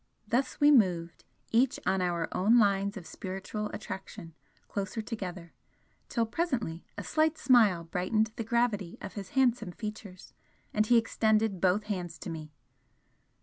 Thus we moved, each on our own lines of spiritual attraction, closer together; till presently a slight smile brightened the gravity of his handsome features, and he extended both hands to me.